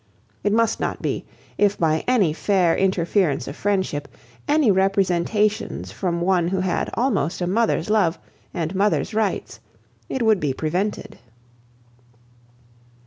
It must not be, if by any fair interference of friendship, any representations from one who had almost a mother's love, and mother's rights, it would be prevented.